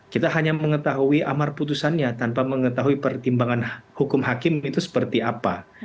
kita hanya mengetahui amar putusannya tanpa mengetahui pertimbangan hukum hakim itu seperti apa